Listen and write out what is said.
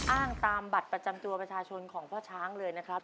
อ้างตามบัตรประจำตัวประชาชนของพ่อช้างเลยนะครับ